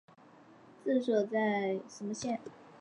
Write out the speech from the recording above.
治所在牂牁县。